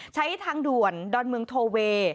ใช้ทางด่วนดอนเมืองโทเว